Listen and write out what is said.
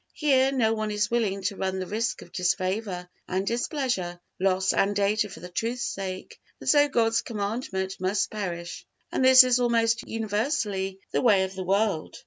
Here no one is willing to run the risk of disfavor and displeasure, loss and danger for the truth's sake; and so God's Commandment must perish. And this is almost universally the way of the world.